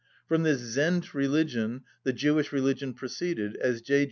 From this Zend religion the Jewish religion proceeded, as J.